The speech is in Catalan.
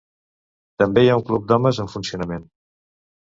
També hi ha un club d'homes en funcionament.